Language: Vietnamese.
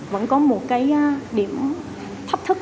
vẫn có một điểm thấp thức